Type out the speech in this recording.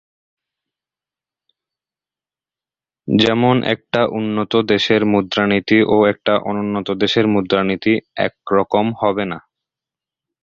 যেমন একটা উন্নত দেশের মুদ্রানীতি ও একটা অনুন্নত দেশের মুদ্রানীতি একরকম হবে না।